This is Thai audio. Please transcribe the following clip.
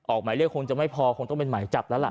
หมายเรียกคงจะไม่พอคงต้องเป็นหมายจับแล้วล่ะ